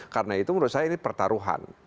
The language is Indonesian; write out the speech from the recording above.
karena itu menurut saya ini pertaruhan